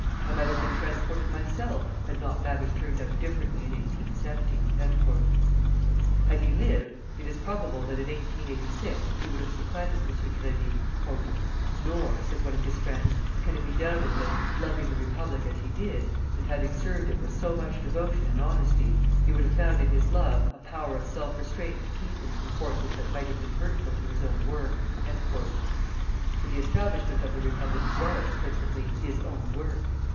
I might have been transported myself, had matters turned out differently in 1870." Had he lived, it is probable that in 1886 he would have supplanted M. Grévy. "Nor," says one of his friends, "can it be doubted that, loving the Republic as he did, and having served it with so much devotion and honesty, he would have found in his love a power of self restraint to keep him from courses that might have been hurtful to his own work." For the establishment of the Republic was principally "his own work."